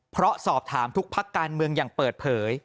เพราะสอบถามทุกพักการเมืองอย่างเปิดเผย